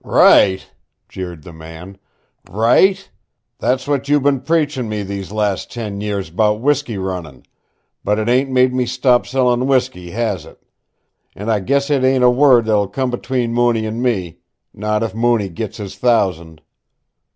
"Right?" jeered the man. "Right? That's what you been preachin' me these last ten years 'bout whiskey runnin,' but it ain't made me stop sellin' whiskey, has it? An' I guess it ain't a word that'll come between Mooney and me not if Mooney gits his thousand."